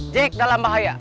jack dalam bahaya